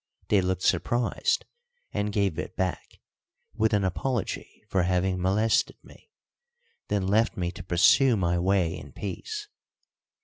They looked surprised, and gave it back, with an apology for having molested me, then left me to pursue my way in peace.